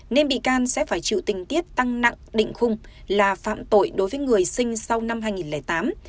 nên bị can sẽ phải chịu tình tiết tăng nặng định khung là phạm tội đối với người sinh sau năm hai nghìn tám